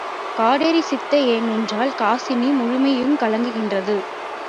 கடோரசித்த னென்றால் காசினி முழுமையுங் கலங்குகின்றது.